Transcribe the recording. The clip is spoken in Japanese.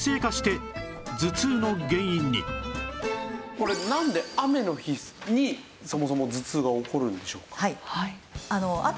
これなんで雨の日にそもそも頭痛が起こるんでしょうか？